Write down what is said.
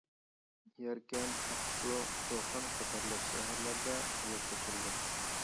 يەركەن، ئاقسۇ، قوقەنت قاتارلىق شەھەرلەردە ھايات كەچۈرگەن.